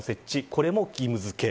これも義務付け。